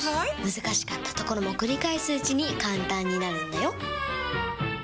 難しかったところも繰り返すうちに簡単になるんだよ！